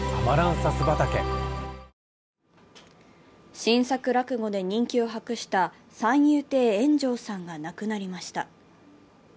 新作落語で人気を博した三遊亭圓丈さんが亡くなりました。